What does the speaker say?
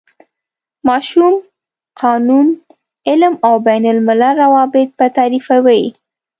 ماشوم، قانون، علم او بین الملل روابط به تعریفوي.